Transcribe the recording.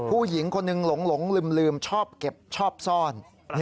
ผู้หญิงคนหนึ่งหลงลืมชอบเก็บชอบซ่อน